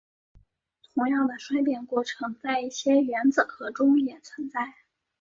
同样的衰变过程在一些原子核中也存在。